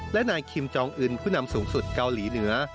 และนายคิมจองอื่นผู้นำสูงสุดเกาหลีเหนือ